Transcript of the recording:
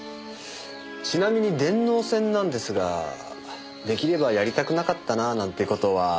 ちなみに電脳戦なんですが出来ればやりたくなかったななんて事は？